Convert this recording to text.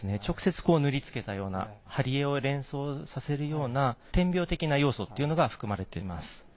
直接塗りつけたような貼り絵を連想させるような点描的な要素というのが含まれています。